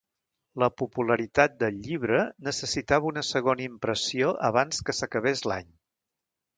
La popularitat del llibre necessitava una segona impressió abans que s'acabés l'any.